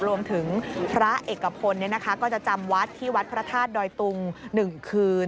รวมถึงพระเอกพลก็จะจำวัดที่วัดพระธาตุดอยตุง๑คืน